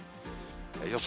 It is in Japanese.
予想